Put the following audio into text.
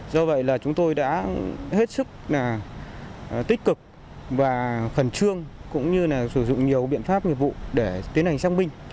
do vậy là chúng tôi đã hết sức tích cực và khẩn trương cũng như sử dụng nhiều biện pháp nhiệm vụ để tiến hành sang binh